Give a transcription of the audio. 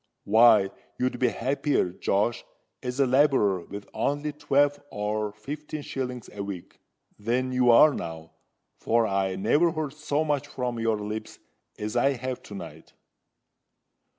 Why, you'd be happier, Josh, as a labourer with only twelve or fifteen shillings a week, than you are now;—for I never heard so much from your lips as I have to night."